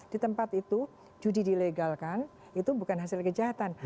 di tempat itu judi dilegalkan itu bukan hasil kejahatan